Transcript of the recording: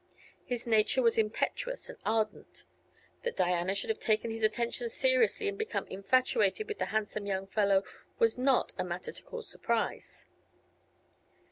His nature was impetuous and ardent. That Diana should have taken his attentions seriously and become infatuated with the handsome young fellow was not a matter to cause surprise.